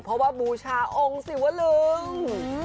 เพราะว่าบูชาองค์ศิวลึง